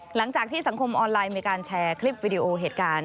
หลังจากที่สังคมออนไลน์มีการแชร์คลิปวิดีโอเหตุการณ์